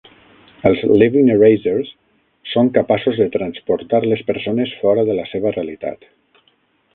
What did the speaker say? Els Living Erasers són capaços de transportar les persones fora de la seva realitat.